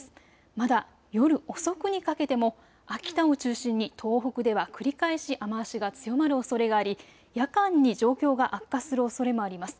まだ夜遅くにかけても秋田を中心に東北では繰り返し雨足が強まるおそれがあり夜間に状況が悪化するおそれもあります。